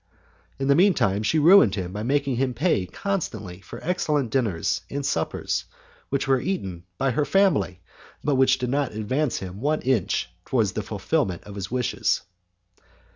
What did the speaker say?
In the mean time, she ruined him by making him pay constantly for excellent dinners and suppers, which were eaten by her family, but which did not advance him one inch towards the fulfilment of his wishes.